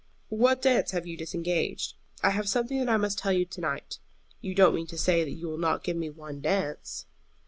"What dance have you disengaged? I have something that I must tell you to night. You don't mean to say that you will not give me one dance?"